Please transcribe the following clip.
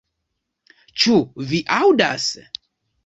Ĉu vi aŭdas!